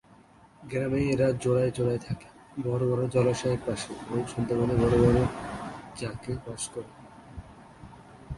গ্রামে এরা জোড়ায় জোড়ায় থাকে; বড়ো বড়ো জলাশয়ের পাশে এবং সুন্দরবনে বড়ো বড়ো ঝাঁকে বাস করে।